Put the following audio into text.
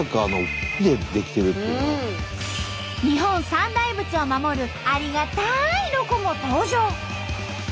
日本三大仏を守るありがたいロコも登場。